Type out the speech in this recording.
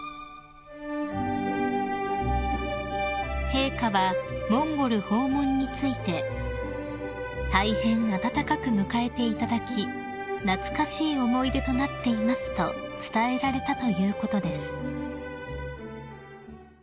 ［陛下はモンゴル訪問について「大変温かく迎えていただき懐かしい思い出となっています」と伝えられたということです］